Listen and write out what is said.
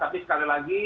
tapi sekali lagi